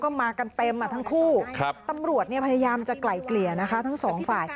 ก็รู้แล้วจอโลกไหนก็ได้